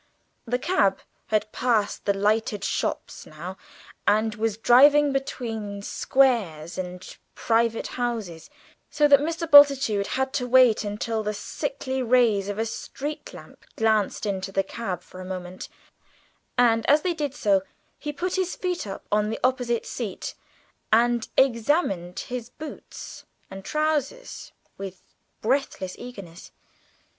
The cab had passed the lighted shops now, and was driving between squares and private houses, so that Mr. Bultitude had to wait until the sickly rays of a street lamp glanced into the cab for a moment, and, as they did so, he put his feet up on the opposite seat and examined his boots and trousers with breathless eagerness.